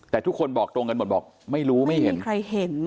แต่ทุกคนบอกตรงกันหมดบอกไม่รู้ไม่เห็นใครเห็น